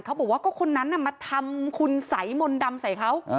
เขาบอกว่าก็คนนั้นมาทำคุณสัยมนต์ดำใส่เขา